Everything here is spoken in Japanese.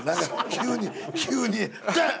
急に急にダーン！